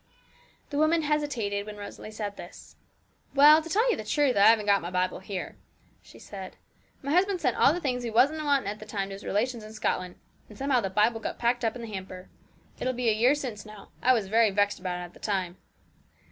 The woman hesitated when Rosalie said this. 'Well, to tell you the truth, I haven't got my Bible here,' she said. 'My husband sent all the things we wasn't wanting at the time to his relations in Scotland; and somehow the Bible got packed up in the hamper. It will be a year since now. I was very vexed about it at the time.'